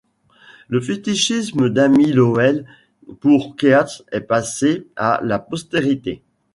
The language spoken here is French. Le fétichisme d'Amy Lowell pour Keats est passé à la postérité.